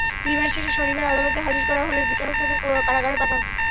Remand শেষে শনিবার আদালতে হাজির করা হলে বিচারক তাঁদের কারাগারে পাঠান।